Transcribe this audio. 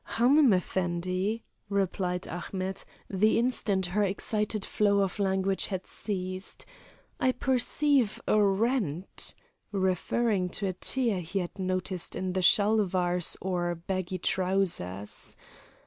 "Hanoum Effendi," replied Ahmet, the instant her excited flow of language had ceased, "I perceive a rent," referring to a tear he had noticed in her shalvars or baggy trousers.